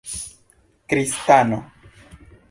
kristano